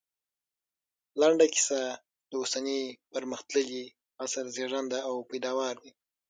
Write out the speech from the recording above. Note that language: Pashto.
لنډه کيسه د اوسني پرمختللي عصر زېږنده او پيداوار دی